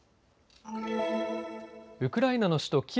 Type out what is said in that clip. ウクライナの首都